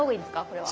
これは。